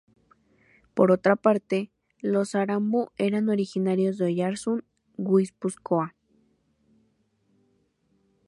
Por otra parte, los Aramburu eran originarios de Oyarzun, Guipúzcoa.